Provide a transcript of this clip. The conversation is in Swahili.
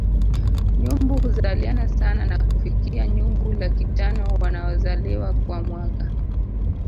Nyumbu huzaliana sana na kufikia nyumbu laki tano wanaozaliwa kwa mwaka